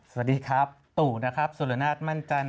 สวัสดีครับตู่นะครับสุรนาศมั่นจันท